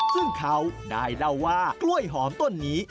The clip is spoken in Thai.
ซึ่งเขาได้เล่าว่ากล้วยหอมต้นนี้